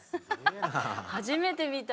初めて見た。